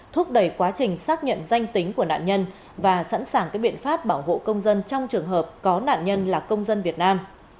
thúc đẩy quá trình xác nhận danh tính của nạn nhân và sẵn sàng các biện pháp bảo hộ công dân trong trường hợp có nạn nhân là công dân việt nam